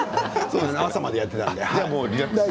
朝までやっていたので。